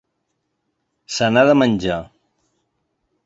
Se n’ha de menjar.